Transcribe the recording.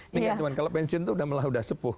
ini kan kalau pensiun itu sudah melah sudah sepuh